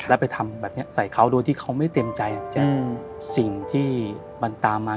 แล้วไปทำแบบนี้ใส่เขาโดยที่เขาไม่เต็มใจอ่ะแจ๊คสิ่งที่มันตามมา